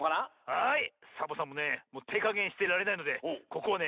はいサボさんもねてかげんしてられないのでここはね